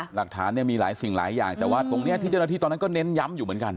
หลักฐานเนี่ยมีหลายสิ่งหลายอย่างแต่ว่าตรงนี้ที่เจ้าหน้าที่ตอนนั้นก็เน้นย้ำอยู่เหมือนกัน